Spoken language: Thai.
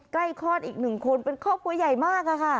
ใกล้คลอดอีก๑คนเป็นครอบครัวใหญ่มากค่ะค่ะ